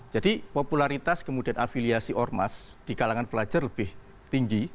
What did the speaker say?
jadi popularitas kemudian afiliasi ormas di kalangan pelajar lebih tinggi